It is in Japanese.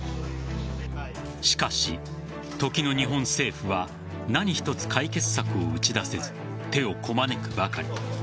しかし、時の日本政府は何一つ解決策を打ち出せず手をこまねくばかり。